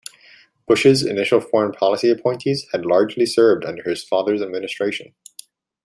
Bush's initial foreign policy appointees had largely served under his father's administration.